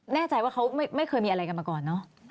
แน่ใจว่าเขาไม่เคยมีอะไรกันมาก่อนเนอะ